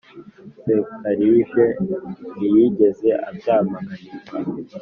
nsekalije ntiyigeze abyamaganirwa.